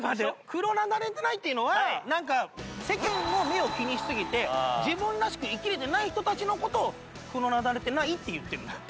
クロナダれてないっていうのはなんか世間の目を気にしすぎて自分らしく生きれてない人たちの事をクロナダれてないって言ってるんだよ。